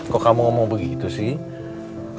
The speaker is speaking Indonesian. kok kamu ngomong begitu sih